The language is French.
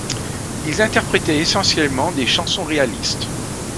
Ils interprétaient essentiellement des chansons réalistes.